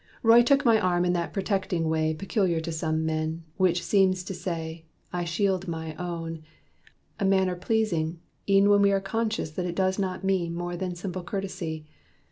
Roy took my arm in that protecting way Peculiar to some men, which seems to say, "I shield my own," a manner pleasing, e'en When we are conscious that it does not mean More than a simple courtesy.